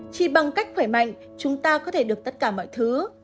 chỉ bằng cách khỏe mạnh chúng ta có thể được tất cả mọi thứ